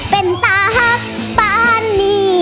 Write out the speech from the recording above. เป็นตาหักปานี